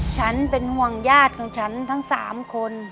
ฉันเป็นห่วงญาติของฉันทั้ง๓คน